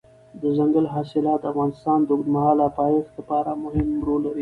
دځنګل حاصلات د افغانستان د اوږدمهاله پایښت لپاره مهم رول لري.